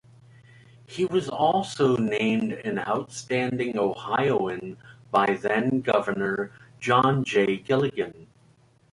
He was also named an Outstanding Ohioan by then-Governor John J. Gilligan.